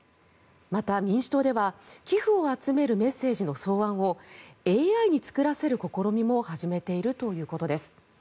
また、民主党では寄付を集めるメッセージの草案をＡＩに作らせる試みも始めているということです。